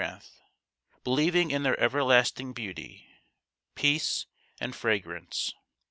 147 ranth, believing in their everlasting beauty, peace, and fragrance.